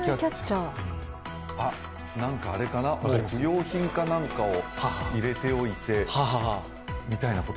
あっ、なんかあれかな不要品かなんかを入れておいてみたいな？